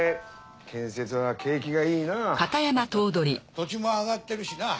土地も上がってるしな。